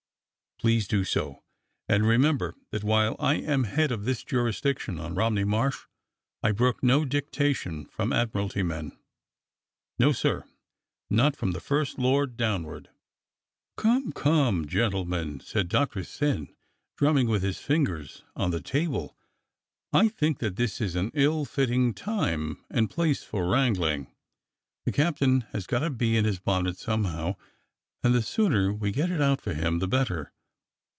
Please do so, and remember that while I am head of this jurisdiction on Romney Marsh I'll brook no dictation from Admiralty men — no, sir, not from the First Lord downward." "Come, come, gentlemen," said Doctor Syn, drum ming with his fingers on the table, "I think that this is an ill fitting time and place for \\Tangling. The captain has got a bee in his bonnet somehow, and the sooner we get it out for him the better.